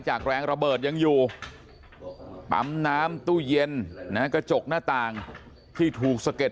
แรงระเบิดยังอยู่ปั๊มน้ำตู้เย็นนะฮะกระจกหน้าต่างที่ถูกสะเก็ด